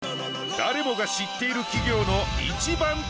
誰もが知っている企業の。